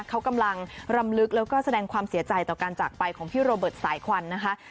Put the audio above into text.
เขากำลังรำลึกแล้วก็แสดงความเสียใจต่อการจากไปของพี่โรเบิร์ตสายควันนะคะ